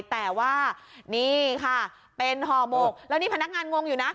แต่ว่านี่ค่ะเป็นห่อหมกแล้วนี่พนักงานงงอยู่นะ